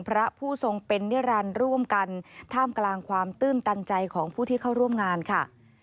พระผู้ทรงเป็นนิรันดิ์ร่วมกันท่ามกลางความตื้นตันใจของผู้ที่เข้าร่วมงานค่ะ